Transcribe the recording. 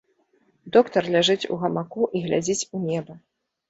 Доктар ляжыць у гамаку і глядзіць у неба.